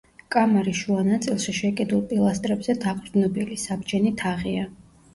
კამარის შუა ნაწილში შეკიდულ პილასტრებზე დაყრდნობილი, საბჯენი თაღია.